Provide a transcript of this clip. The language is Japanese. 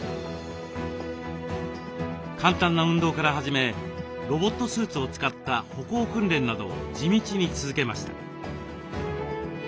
簡単な運動から始めロボットスーツを使った歩行訓練などを地道に続けました。